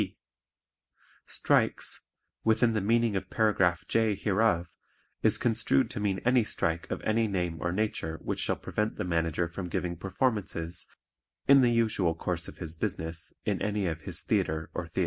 (P) Strikes, within the meaning of Paragraph J hereof, is construed to mean any strike of any name or nature which shall prevent the Manager from giving performances in the usual course of his business in any of his theatre or theatres.